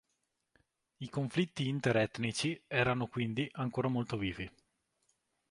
I conflitti inter etnici erano, quindi, ancora molto vivi.